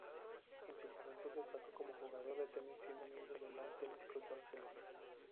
En su juventud destacó como jugador de tenis, siendo miembro del Lawn-Tennis Club Barcelona.